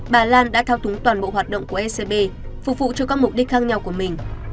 bà lan đã thao túng toàn bộ hoạt động của ecb phục vụ cho các mục đích khác nhau của mình